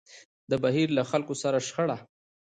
د بهير له خلکو سره شخړه.